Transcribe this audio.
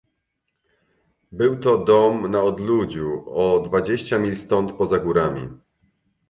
"Był to dom na odludziu, o dwadzieścia mil stąd, poza górami."